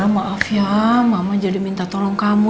maaf ya mama jadi minta tolong kamu